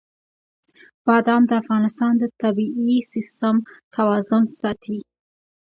بادام د افغانستان د طبعي سیسټم توازن ساتي.